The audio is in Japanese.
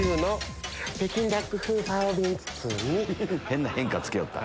変な変化つけよった。